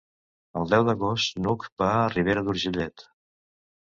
El deu d'agost n'Hug va a Ribera d'Urgellet.